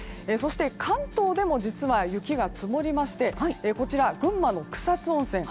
関東でも雪が積もりましてこちら群馬の草津温泉